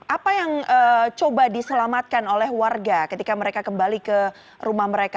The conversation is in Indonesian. apa yang coba diselamatkan oleh warga ketika mereka kembali ke rumah mereka